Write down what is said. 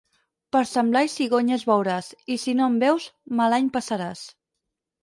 Per Sant Blai, cigonyes veuràs, i si no en veus, mal any passaràs.